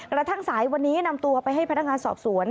กระทั่งสายวันนี้นำตัวไปให้พนักงานสอบสวน